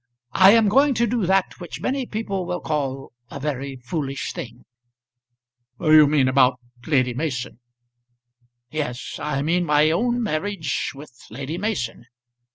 "I am going to do that which many people will call a very foolish thing." "You mean about Lady Mason." "Yes; I mean my own marriage with Lady Mason.